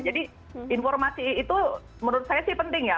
jadi informasi itu menurut saya sih penting ya